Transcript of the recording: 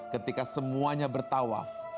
ketika semuanya bertawaf